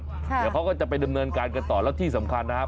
เดี๋ยวเขาก็จะไปดำเนินการกันต่อแล้วที่สำคัญนะครับ